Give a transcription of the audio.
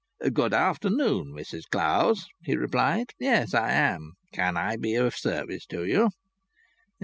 "Good afternoon, Mrs Clowes," he replied. "Yes, I am. Can I be of service to you?"